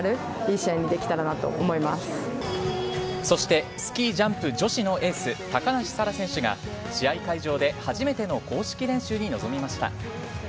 そして、スキージャンプ女子のエース・高梨沙羅選手が試合会場で初めての公式練習に臨みました。